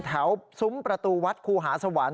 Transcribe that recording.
ซุ้มประตูวัดครูหาสวรรค์